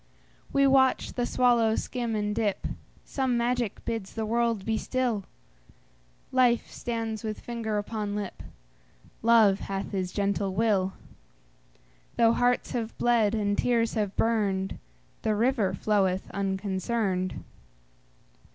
We watch the swallow skim and dip; Some magic bids the world be still; Life stands with finger upon lip; Love hath his gentle will; Though hearts have bled, and tears have burned, The river floweth unconcerned.